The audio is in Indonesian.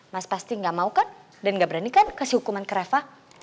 mas pasti nggak mau kan dan gak berani kan kasih hukuman ke refa